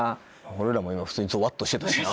俺らも今普通にゾワっとしてたしな。